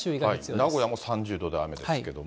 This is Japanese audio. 名古屋も３０度で雨ですけれども。